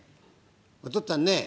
お父っつぁんねえ！